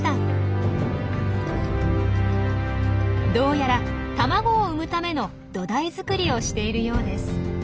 どうやら卵を産むための土台作りをしているようです。